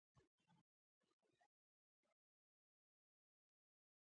د جرمونو سزا د ټولنې د امنیت لپاره مهمه ده.